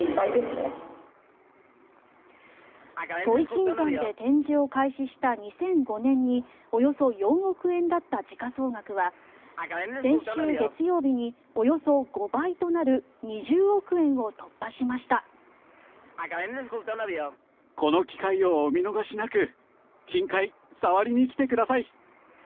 土肥金山で展示を開始した２００５年におよそ４億円だった時価総額は先週月曜日におよそ５倍となる２０億円を突破しました。